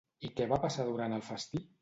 I què va passar durant el festí?